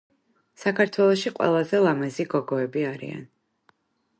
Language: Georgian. საქართველოში ყველაზე ლამაზი გოგოები არიან